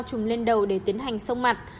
chùm lên đầu để tiến hành xông mặt